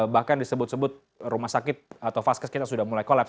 bahkan disebut sebut rumah sakit atau vaskes kita sudah mulai kolaps